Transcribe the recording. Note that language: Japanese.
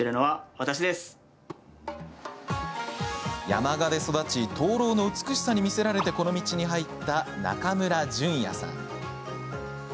山鹿で育ち灯籠の美しさに魅せられてこの道に入った中村潤弥さん。